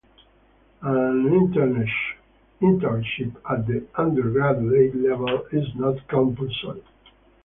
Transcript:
An internship at the undergraduate level is not compulsory.